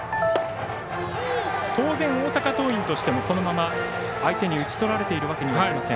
当然、大阪桐蔭としてもこのまま相手に打ち取られているわけにもいきません。